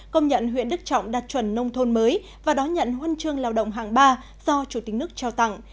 công nhận huyện đức trọng đạt chuẩn nông thôn mới và đón nhận huân chương lao động hạng ba do chủ tịch nước trao tặng